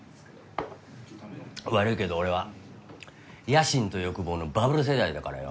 悪いけど俺は野心と欲望のバブル世代だからよ。